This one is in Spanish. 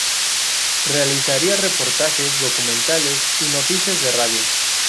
Realizaría reportajes, documentales y noticias de radio.